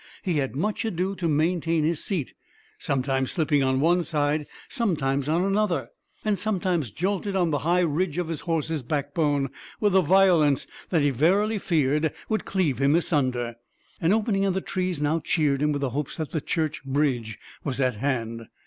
he had much ado to maintain his seat; sometimes slipping on one side, sometimes on another, and sometimes jolted on the high ridge of his horse's backbone, with a violence that he verily feared would cleave him asunder. An opening in the trees now cheered him with the hopes that the church bridge was at hand.